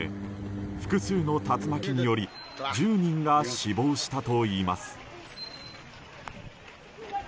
複数の竜巻により１０人が死亡したといいます。